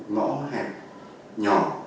mõ hẹp nhỏ